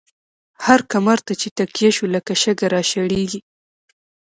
هر کمر ته چی تکیه شوو، لکه شگه را شړیږی